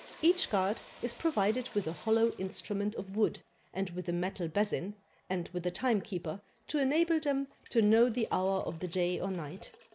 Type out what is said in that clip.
Each guard is provided with a hollow instrument of wood and with a metal basin, and with a timekeeper to enable them to know the hour of the day or night.